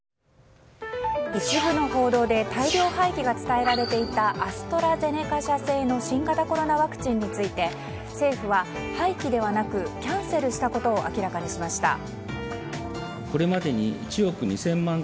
一部の報道で大量廃棄が伝えられていたアストラゼネカ製の新型コロナワクチンについて政府は、廃棄ではなくキャンセルしたことを明らかにしました。